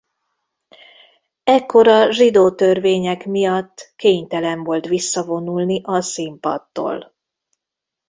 Ekkor a zsidótörvények miatt kénytelen volt visszavonulni a színpadtól.